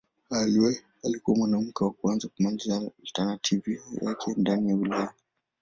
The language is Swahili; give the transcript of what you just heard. Alikuwa mwanamke wa kwanza kumaliza alternativa yake ndani ya Ulaya.